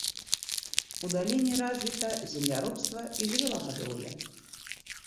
У даліне развіта земляробства і жывёлагадоўля.